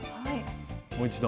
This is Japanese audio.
もう一度。